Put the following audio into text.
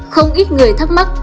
không ít người thắc mắc